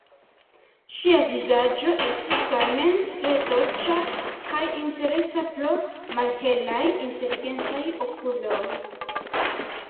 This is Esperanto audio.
Ŝia vizaĝo estis tamen tre dolĉa kaj interesa pro malhelaj, inteligentaj okuloj.